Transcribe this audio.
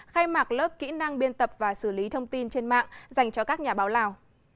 khai mạc lớp kỹ năng biên tập và xử lý thông tin trên mạng dành cho các nhà báo lào